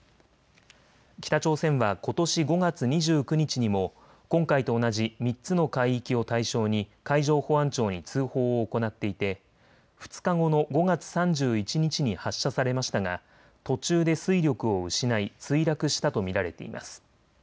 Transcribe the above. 北朝鮮はことし５月２９日にも今回と同じ３つの海域を対象に海上保安庁に通報を行っていて２日後の５月３１日に発射されましたが途中で推力を失い墜落したと見られています。